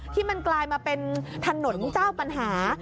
ที่มันกลายมาเป็นถนนเจ้าปัญหา